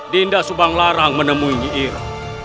dinda subang lara menemui nyiira